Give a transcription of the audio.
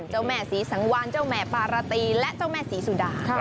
เจ้าแม่ศรีสังวานเจ้าแม่ปาราตีและเจ้าแม่ศรีสุดา